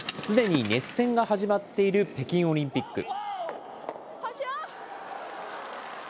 すでに熱戦が始まっている北京オリンピック。